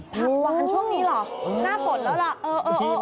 ผักหวานช่วงนี้หรอน่าผลแล้วล่ะ